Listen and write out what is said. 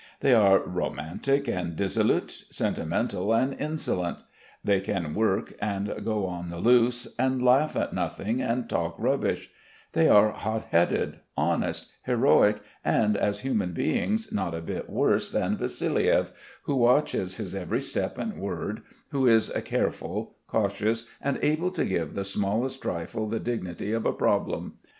They are romantic and dissolute, sentimental and insolent; they can work and go on the loose and laugh at nothing and talk rubbish; they are hot headed, honest, heroic and as human beings not a bit worse than Vassiliev, who watches his every step and word, who is careful, cautious, and able to give the smallest trifle the dignity of a problem.